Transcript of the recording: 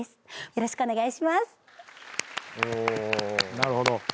なるほど。